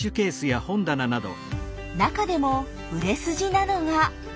中でも売れ筋なのが。